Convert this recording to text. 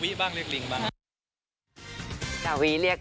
ไม่ได้เรียกแฟนตอนนี้เรียก